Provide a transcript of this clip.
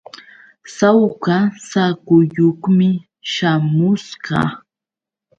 Sawka saakuyuqmi śhamusqa.